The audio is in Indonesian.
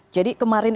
jadi kemarin ini